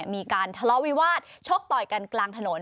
มีการทะเลาะวิวาสชกต่อยกันกลางถนน